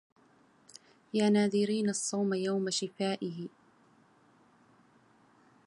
يا ناذرين الصوم يوم شفائه